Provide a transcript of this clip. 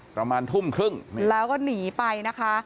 ประมาณทุ่มครึ่งแล้วก็หนีไปนะคะ